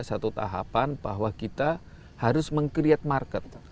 satu tahapan bahwa kita harus meng create market